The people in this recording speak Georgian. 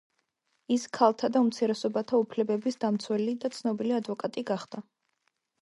ის ქალთა და უმცირესობათა უფლებების დამცველი და ცნობილი ადვოკატი გახდა.